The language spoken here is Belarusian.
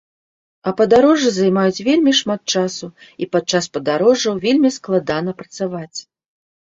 А падарожжы займаюць вельмі шмат часу і падчас падарожжаў вельмі складана працаваць.